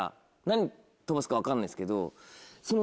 何飛ばすか分かんないですけど。